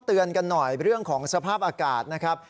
เตือนกันหน่อยเรื่องของสภาพอากาศนะครับ